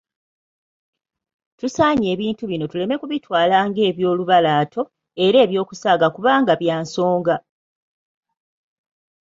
Tusaanye ebintu bino tuleme kubitwala ng'ebyolubalaato, era eby'okusaaga kubanga bya nsonga !